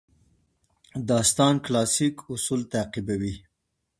داستان کلاسیک اصول تعقیبوي.